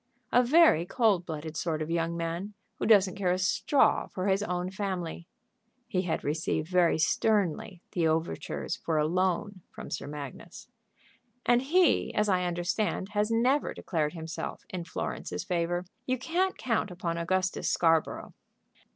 "A very cold blooded sort of young man, who doesn't care a straw for his own family." He had received very sternly the overtures for a loan from Sir Magnus. "And he, as I understand, has never declared himself in Florence's favor. You can't count upon Augustus Scarborough."